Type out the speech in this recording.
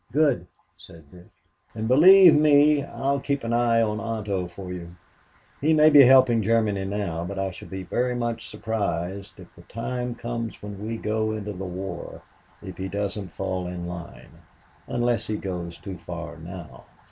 "Good," said Dick, "and believe me, I'll keep an eye on Otto for you. He may be helping Germany now, but I shall be very much surprised if the time comes when we go into the war if he doesn't fall in line unless he goes too far now."